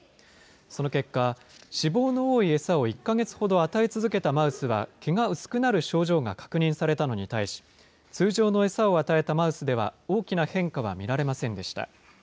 その結果、脂肪の多い餌を１か月ほど与え続けたマウスは、毛が薄くなる症状が確認されたのに対し、通常の餌を与えたマウスでは、大きな変化は見られませんでした。